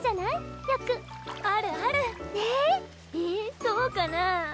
えそうかな？